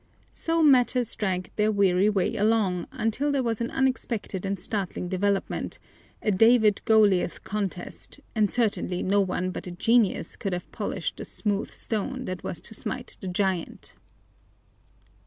So matters dragged their weary way along until there was an unexpected and startling development, a David Goliath contest, and certainly no one but a genius could have polished the "smooth stone" that was to smite the giant.